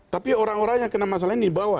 tapi orang orang yang kena masalah ini bahwa